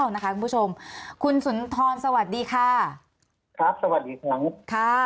นะคะคุณผู้ชมคุณสุนทรสวัสดีค่ะครับสวัสดีค่ะ